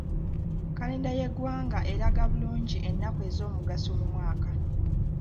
Kalenda y'eggwanga eraga bulungi ennaku ez'omugaso mu mwaka.